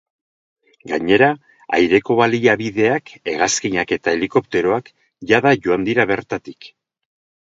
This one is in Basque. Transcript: Gainera, aireko baliabideak, hegazkinak eta helikopteroak, jada joan dira bertatik.